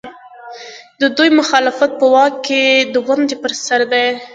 د دوی مخالفت په واک کې د ونډې پر سر دی.